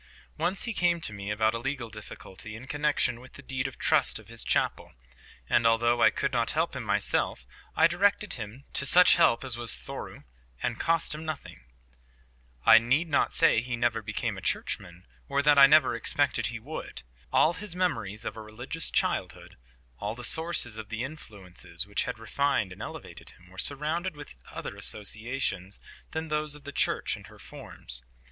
Once he came to me about a legal difficulty in connexion with the deed of trust of his chapel; and although I could not help him myself, I directed him to such help as was thorough and cost him nothing. I need not say he never became a churchman, or that I never expected he would. All his memories of a religious childhood, all the sources of the influences which had refined and elevated him, were surrounded with other associations than those of the Church and her forms.